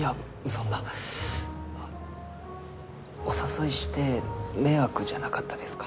そんなお誘いして迷惑じゃなかったですか？